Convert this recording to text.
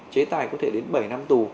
chế tài có thể đến bảy năm tù